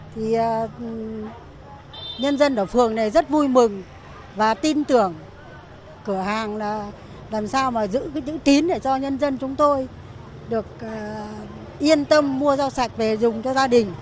thì nhân dân ở phường này rất vui mừng và tin tưởng cửa hàng là làm sao mà giữ tín để cho nhân dân chúng tôi được yên tâm mua rau sạch về dùng cho gia đình